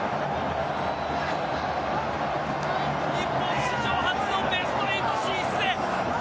日本史上初のベスト８進出へ。